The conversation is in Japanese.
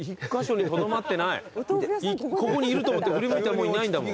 ここにいると思って振り向いたらもういないんだもん。